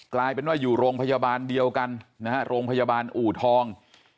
กลายเป็นว่าอยู่โรงพยาบาลเดียวกันนะฮะโรงพยาบาลอูทอง